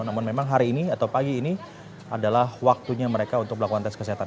namun memang hari ini atau pagi ini adalah waktunya mereka untuk melakukan tes kesehatan